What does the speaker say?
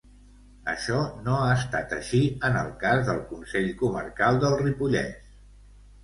Això no ha estat així en el cas del Consell Comarcal del Ripollès.